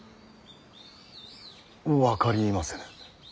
分かりませぬ。